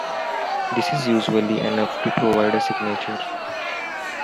This is usually enough to provide a signature.